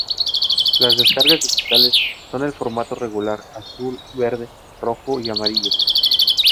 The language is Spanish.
Las descargas digitales son el formato regular; azul, verde, rojo y amarillo.